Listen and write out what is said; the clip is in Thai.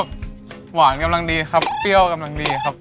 หวานกำลังดีครับเปรี้ยวกำลังดีครับ